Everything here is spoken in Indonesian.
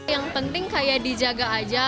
yang penting kayak dijaga aja